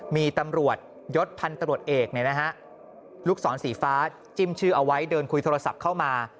มีตำรวจยศพันตรวจเอกลูกศรสีฟ้าจิ้มชื่อเอาไว้เดินคุยโทรศัพท์เข้ามา